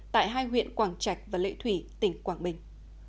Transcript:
tại hai huyện quảng trạch và lệ thủy tỉnh quảng bình